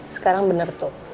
sekarang bener tuh